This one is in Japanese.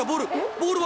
ボールは？